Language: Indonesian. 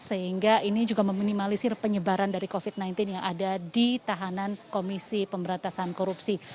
sehingga ini juga meminimalisir penyebaran dari covid sembilan belas yang ada di tahanan komisi pemberantasan korupsi